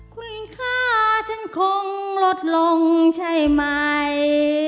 คุณค่าฉันคงลดลงใช่ไหม